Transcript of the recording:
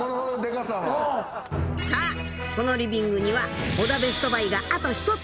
［さあこのリビングには尾田ベストバイがあと１つ］